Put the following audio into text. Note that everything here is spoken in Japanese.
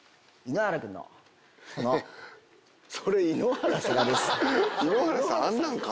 それ井ノ原さん？